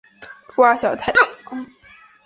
桂小太郎。